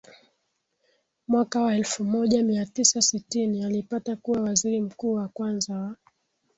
Mwaka wa elfu moja mia tisa sitini alipata kuwa Waziri Mkuu wa kwanza wa